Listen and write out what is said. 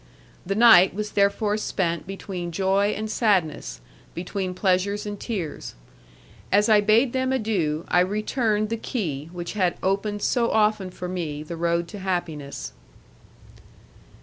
The night was therefore spent between joy and sadness, between pleasures and tears. As I bade them adieu, I returned the key which had opened so often for me the road to happiness.